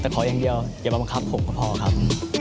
แต่ข้อยังเดียวอย่าบำคับผมก็พอครับ